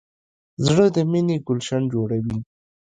زړه د مینې ګلشن جوړوي.